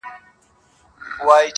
دا ستا چي گراني ستا تصوير په خوب وويني_